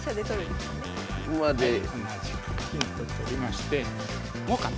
同じく金と取りましてもう簡単です。